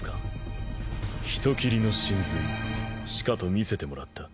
人斬りの神髄しかと見せてもらった。